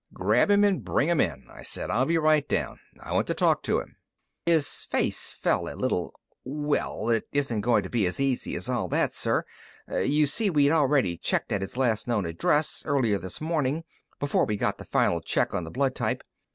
"Grab him and bring him in," I said. "I'll be right down. I want to talk to him." His face fell a little. "Well, it isn't going to be as easy as all that, sir. You see, we'd already checked at his last known address, earlier this morning, before we got the final check on the blood type.